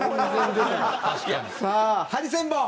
さあハリセンボン。